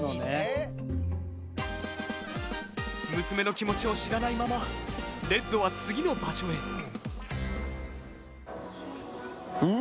娘の気持ちを知らないままレッドは次の場所へ。